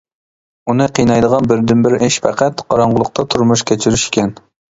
ئۇنى قىينايدىغان بىردىنبىر ئىش پەقەت قاراڭغۇلۇقتا تۇرمۇش كەچۈرۈش ئىكەن.